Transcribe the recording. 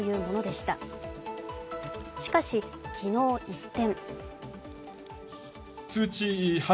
しかし、昨日、一転。